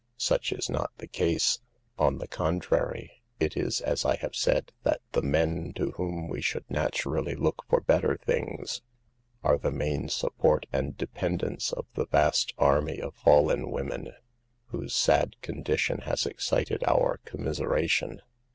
Such is not the case. On the contrary, it is as I have said, that the men to whom we should naturally look for 224 SAVE THE GIRLS. better things are the main support and depen dence of the vast army of fallen women, whose sad condition has excited our commisera tion.